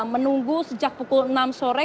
menunggu sejak pukul enam sore